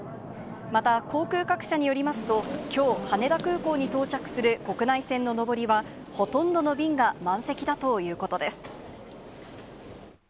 また、航空各社によりますと、きょう、羽田空港に到着する国内線の上りはほとんどの便が満席だということです。